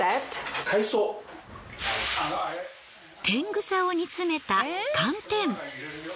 テングサを煮詰めた寒天。